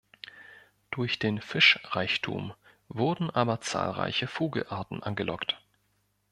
Durch den Fischreichtum wurden aber zahlreiche Vogelarten angelockt.